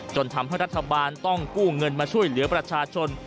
ทำให้รัฐบาลต้องกู้เงินมาช่วยเหลือประชาชน